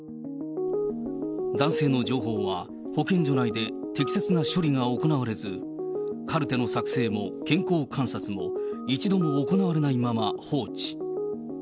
男性の情報は、保健所内で適切な処理が行われず、カルテの作成も健康観察も、一度も行われないまま放置。